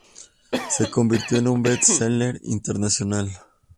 Se convirtió en un best seller internacional.